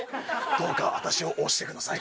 どうか私をおしてください。